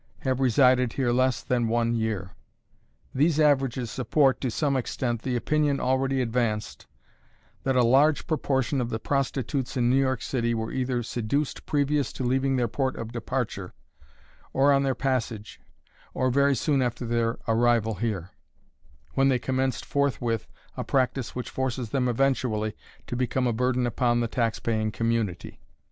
have resided here less than one year. These averages support, to some extent, the opinion already advanced, that a large proportion of the prostitutes in New York City were either seduced previous to leaving their port of departure, or on their passage, or very soon after their arrival here, when they commenced forthwith a practice which forces them eventually to become a burden upon the tax paying community.